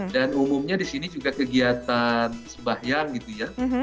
dan umumnya di sini juga kegiatan sembahyang gitu ya